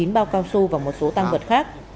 chín bao cao su và một số tăng vật khác